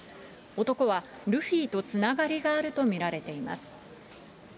男はルフィとつながりがあると見られています。